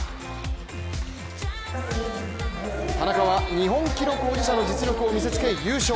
田中は日本記録保持者の実力を見せつけ優勝。